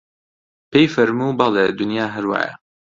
پێی فەرموو: بەڵێ دونیا هەر وایە